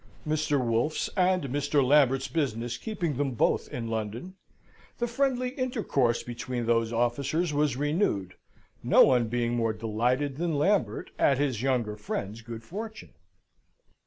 Mr. Wolfe's and Mr. Lambert's business keeping them both in London, the friendly intercourse between those officers was renewed, no one being more delighted than Lambert at his younger friend's good fortune.